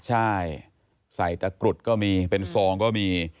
ใช่ใส่ตะกรุดก็มีเป็นซองก็มี